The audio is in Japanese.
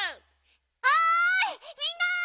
おいみんな！